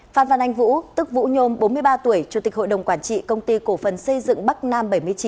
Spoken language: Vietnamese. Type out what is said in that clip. phan văn anh vũ tức vũ nhôm bốn mươi ba tuổi chủ tịch hội đồng quản trị công ty cổ phần xây dựng bắc nam bảy mươi chín